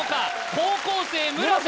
高校生村瀬